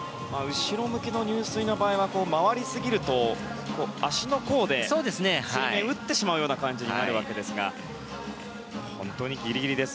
後ろ向きの入水の場合は回りすぎると足の甲で水面を打ってしまうような感じになるわけですが本当にギリギリです。